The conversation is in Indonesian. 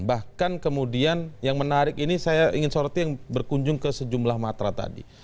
bahkan kemudian yang menarik ini saya ingin soroti yang berkunjung ke sejumlah matra tadi